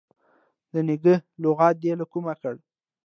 د نږه لغت دي له کومه کړ.